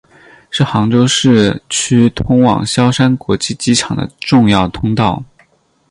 是杭州市区通往萧山国际机场的重要通道。